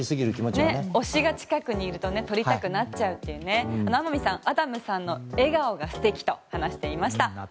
推しが近くにいるとね取りたくなっちゃうという天海さん、アダムさんの笑顔が素敵と話していました。